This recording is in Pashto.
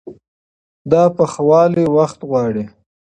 دا پخوالی وخت غواړي.